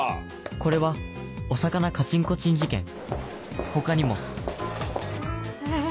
これはお魚カチンコチン事件他にもえぇ！